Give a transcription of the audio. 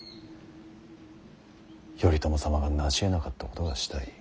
頼朝様がなしえなかったことがしたい。